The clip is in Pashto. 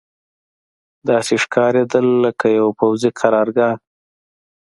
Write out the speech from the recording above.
داسې ښکارېدل لکه یوه پوځي قرارګاه.